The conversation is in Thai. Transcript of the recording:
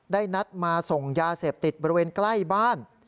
นัดมาส่งยาเสพติดบริเวณใกล้บ้าน